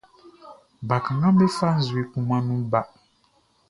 Bakannganʼm be fa nzue kunmanʼn nun ba.